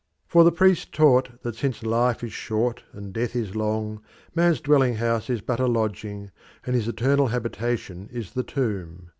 For the priests taught that, since life is short and death is long, man's dwelling house is but a lodging, and his eternal habitation is the tomb.